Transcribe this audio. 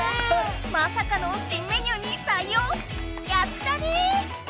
まさかの新メニューにさい用⁉やったね！